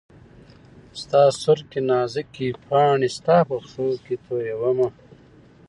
ستا سورکۍ نازکي پاڼي ستا په پښو کي تویومه